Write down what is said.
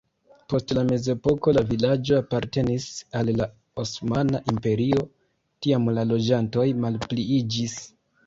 Post la mezepoko la vilaĝo apartenis al la Osmana Imperio, tiam la loĝantoj malpliiĝis.